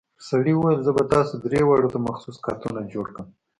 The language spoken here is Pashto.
سړي وويل زه به تاسو درې واړو ته مخصوص کارتونه جوړ کم.